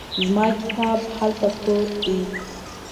زما کتاب هلته پروت ده